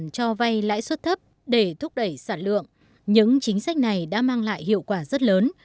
cho vay lãi suất thấp để thúc đẩy sản lượng những chính sách này đã mang lại hiệu quả rất lớn